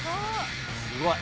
すごい。